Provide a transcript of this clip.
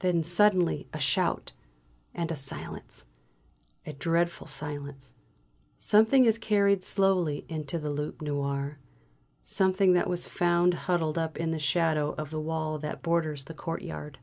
Then suddenly a shout; and a silence, a dreadful silence. Something is carried slowly into the "Loup Noir." Something that was found huddled up in the shadow of the wall that borders the courtyard.